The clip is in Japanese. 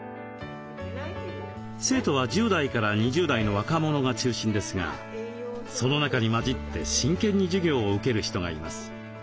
生徒は１０代から２０代の若者が中心ですがその中に交じって真剣に授業を受ける人がいます。